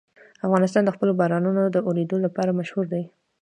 افغانستان د خپلو بارانونو د اورېدو لپاره مشهور دی.